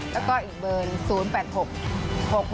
แล้วก็อีกเบิร์น๐๘๖๖๖๑๖๙๙๐ค่ะ